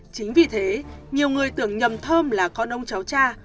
chính vì thế nhiều người tưởng nhầm thơm là con ông cháu cha